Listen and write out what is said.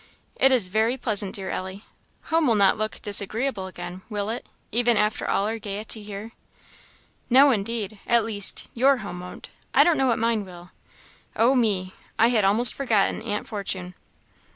"It is very pleasant, dear Ellie! Home will not look disagreeable again, will it, even after all our gaiety here?" "No indeed! at least, your home won't I don't know what mine will. O me! I had almost forgotten Aunt Fortune!"